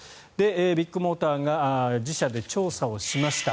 ビッグモーターが自社で調査をしました。